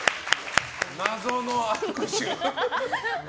謎の握手。